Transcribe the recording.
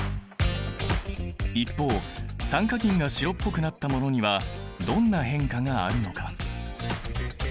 一方酸化銀が白っぽくなったものにはどんな変化があるのか？